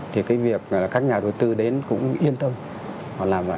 thì cái việc các nhà đầu tư đến cũng yên tâm